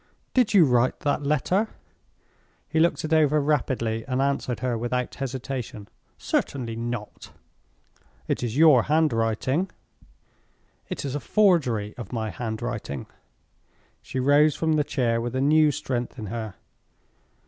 "Did you write that letter?" He looked it over rapidly, and answered her without hesitation, "Certainly not!" "It is your handwriting." "It is a forgery of my handwriting." She rose from the chair with a new strength in her.